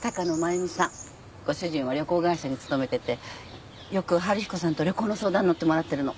ご主人は旅行会社に勤めててよく春彦さんと旅行の相談に乗ってもらってるの。